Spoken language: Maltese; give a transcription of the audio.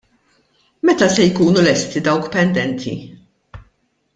Meta se jkunu lesti dawk pendenti?